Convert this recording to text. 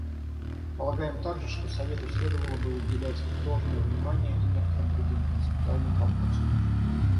Полагаем также, что Совету следовало бы уделять должное внимание и некоторым другим концептуальным вопросам.